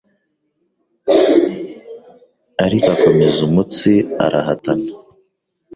ariko akomeza umutsi arahatana